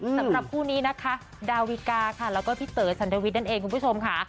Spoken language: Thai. สำหรับคู่นี้นะคะดาวิกาค่ะแล้วก็พี่เต๋อสันทวิทย์นั่นเองคุณผู้ชมค่ะ